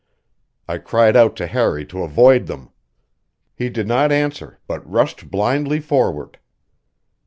I cried out to Harry to avoid them. He did not answer, but rushed blindly forward.